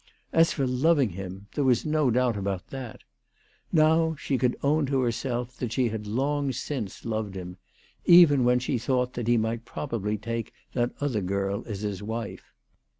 As for loving him ; there was no doubt about that ! Now she could own to herself that she had long since loved him, even when she thought that he might probably take that other girl as his wife.